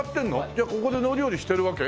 ここで乗り降りしてるわけ？